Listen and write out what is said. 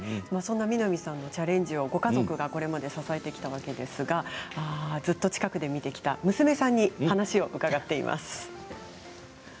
そんな南さんのチャレンジを、ご家族がこれまで支えてきたわけですがずっと近くで見てきた娘さんに話を伺っています。